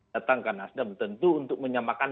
datang ke nasdem tentu untuk menyamakan